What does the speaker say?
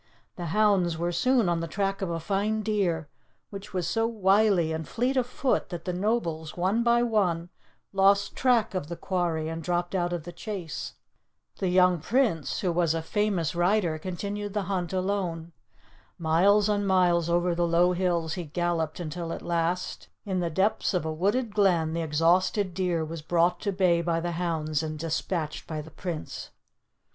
The hounds were soon on the track of a fine deer, which was so wily and fleet of foot that the nobles, one by one, lost track of the quarry, and dropped out of the chase. The young Prince, who was a famous rider, continued the hunt alone. Miles and miles over the low hills he galloped until at last in the depths of a wooded glen the exhausted deer was brought to bay by the hounds, and dispatched by the Prince.